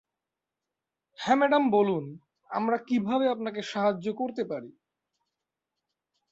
হ্যাঁ, ম্যাডাম বলুন। আমরা কিভাবে আপনাকে সাহায্য করতে পারি।